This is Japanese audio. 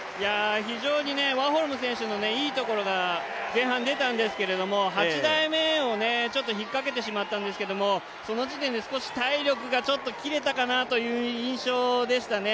非常にワーホルム選手のいいところが前半出たんですけど８台目を引っかけてしまったんですけどもその時点で少し体力が切れたかなという印象でしたね。